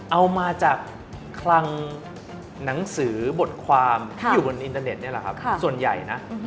เอามาจากคลังหนังสือบทความที่อยู่บนอินเทอร์เน็ตนี่แหละครับส่วนใหญ่นะ